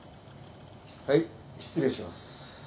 はい失礼します。